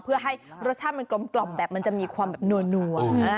เพื่อให้รสชาติมันกลมแบบมันจะมีความแบบนัว